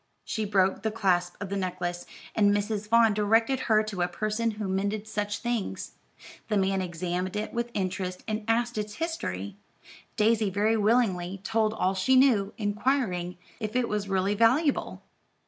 She broke the clasp of the necklace, and Mrs. Vaughn directed her to a person who mended such things. The man examined it with interest, and asked its history. Daisy very willingly told all she knew, inquiring if it was really valuable.